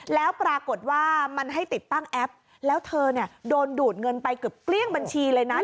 แล้วปรากฏว่ามันให้ติดตั้งแอปแล้วเธอเนี่ยโดนดูดเงินไปเกือบเกลี้ยงบัญชีเลยนะ